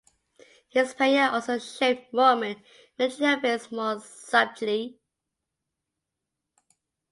Hispania also shaped Roman military affairs more subtly.